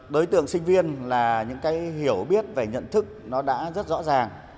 đối tượng sinh viên là những cái hiểu biết về nhận thức nó đã rất rõ ràng